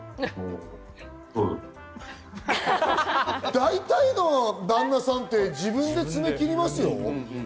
大体の旦那さんって自分で爪を切りますよ。